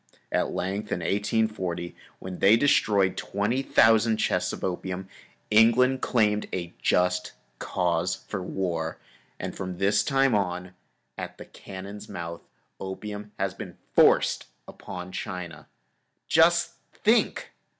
At length, in 1840, when they destroyed the 20,000 chests of opium, England claimed a just cause for war, and from this time on, at the cannon's mouth, opium has been forced upon China. Just think!